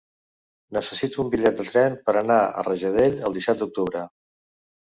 Necessito un bitllet de tren per anar a Rajadell el disset d'octubre.